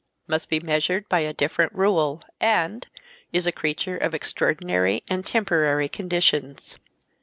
. must be measured by a different rule, and ... is a creature of extraordinary and temporary conditions